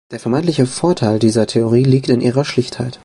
Der vermeintliche Vorteil dieser Theorie liegt in ihrer Schlichtheit.